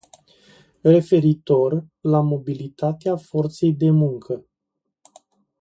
Referitor la mobilitatea forței de muncă.